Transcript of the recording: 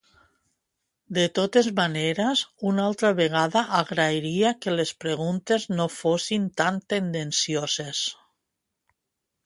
De totes maneres, una altra vegada agrairia que les preguntes no fossin tan tendencioses.